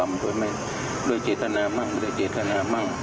โปรดไว้ด้วยเจษฐนาโปรดไว้ด้วยเจษฐนาบ้าง